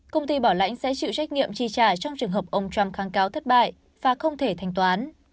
công ty bảo lãnh sẽ chịu trách nhiệm chi trả trong trường hợp ông trump kháng cáo thất bại và không thể thanh toán